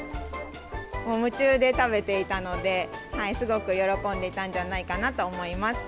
夢中で食べていたので、すごく喜んでいたんじゃないかなと思います。